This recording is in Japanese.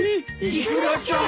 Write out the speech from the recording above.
イクラちゃん？